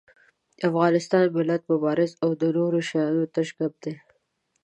افغانستان، ملت، مبارزه او دا نور شيان تش ګپ دي.